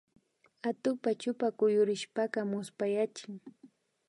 Atukpa chupa kuyurishpaka muspayachin